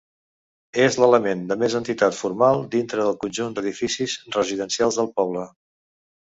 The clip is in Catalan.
És l'element de més entitat formal dintre del conjunt d'edificis residencials del poble.